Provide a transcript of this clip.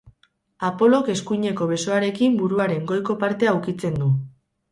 Apolok eskuineko besoarekin buruaren goiko partea ukitzen du.